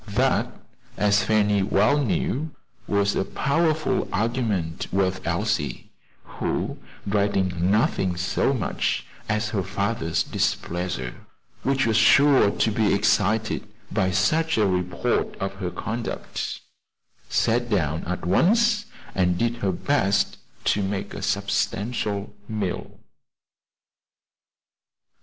That, as Fanny well knew, was a powerful argument with Elsie, who, dreading nothing so much as her father's displeasure, which was sure to be excited by such a report of her conduct, sat down at once and did her best to make a substantial meal.